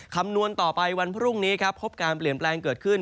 คำนวณต่อไปวันพรุ่งนี้ครับพบการเปลี่ยนแปลงเกิดขึ้น